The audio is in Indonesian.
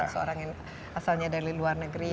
seorang yang asalnya dari luar negeri